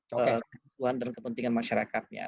kebutuhan dan kepentingan masyarakatnya